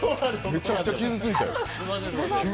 めちゃくちゃ傷ついたよ。